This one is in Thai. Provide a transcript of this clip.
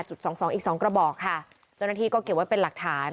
เจ้าหน้าที่ก็เก็บว่าเป็นหลักฐาน